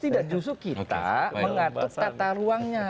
tidak justru kita mengatur tata ruangnya